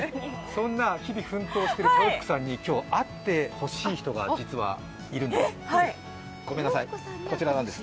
そんな日々奮闘している豊福さんに今日会ってほしい人が実はいるんです。